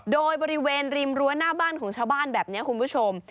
โดยบริเวณริมรั้วหน้าบ้านของชาวบ้านแบบนี้คุณผู้ชม